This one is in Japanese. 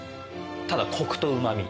ただコクとうま味。